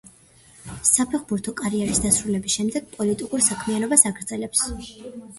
საფეხბურთო კარიერის დასრულების შემდეგ პოლიტიკურ საქმიანობას აგრძელებს.